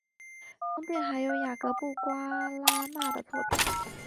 中殿还有雅格布瓜拉纳的作品。